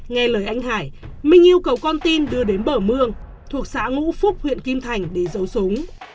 nghe lời anh hải minh yêu cầu con tin đưa đến bờ mương thuộc xã ngũ phúc huyện kim thành để giấu súng